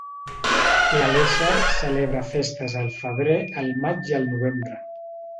L'Aleixar celebra festes el febrer, el maig i el novembre.